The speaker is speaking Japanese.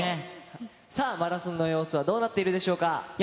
さあ、マラソンの様子はどうなってるでしょうか。